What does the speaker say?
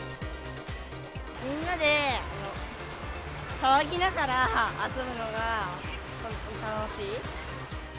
みんなで騒ぎながら遊ぶのが楽しい。